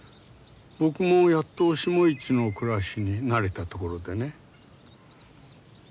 僕もやっと下市の暮らしに慣れたところでね。